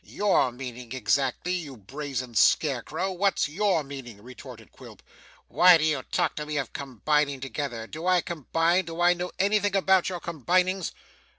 'YOUR meaning exactly, you brazen scarecrow, what's your meaning?' retorted Quilp. 'Why do you talk to me of combining together? Do I combine? Do I know anything about your combinings?